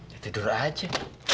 ya tidur aja